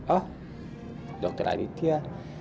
oh dokter aditya